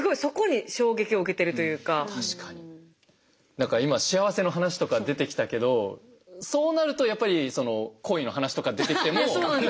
何か今幸せの話とか出てきたけどそうなるとやっぱり恋の話とか出てきても。